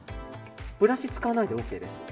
ブラシを使わないでＯＫです。